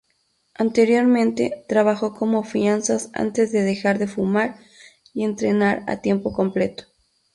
Anteriormente trabajó como fianzas antes de dejar de fumar y entrenar a tiempo completo.